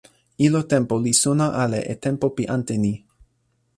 ilo tenpo li sona ala e tenpo pi ante ni.